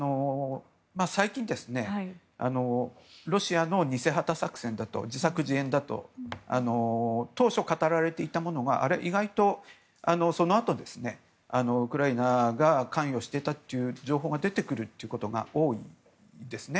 最近ロシアの偽旗作戦、自作自演だと当初語られていたものが意外と、そのあとウクライナが関与していたという情報が出てくることが多いです。